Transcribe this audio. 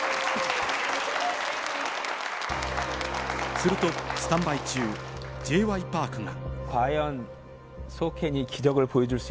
するとスタンバイ中Ｊ．Ｙ．Ｐａｒｋが。